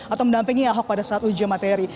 atau mendampingi ahok pada saat uji materi